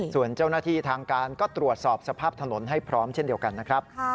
ส่วนเจ้าหน้าที่ทางการก็ตรวจสอบสภาพถนนให้พร้อมเช่นเดียวกันนะครับ